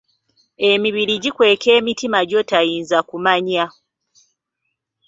Emibiri gikweka emitima gy’otayinza kumanya